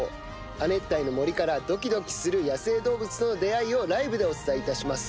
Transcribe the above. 亜熱帯の森から、ドキドキする野生動物との出会いをライブでお伝えいたします。